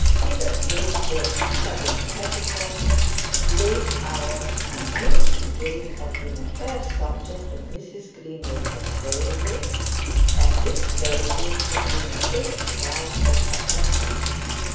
Hitherto their crinoline petticoats, late hours, and mincing gait had been a fair subject of Mrs Greenacre's raillery, and this raillery had been a safety valve for her envy.